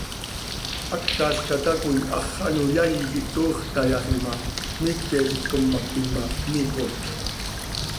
Hácalca tacoi hax ano yaii quih toox tayaxi ma, cmiique z itcommactim ma, micotj.